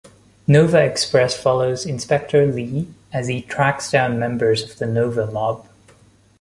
"Nova Express" follows Inspector Lee as he tracks down members of the Nova Mob.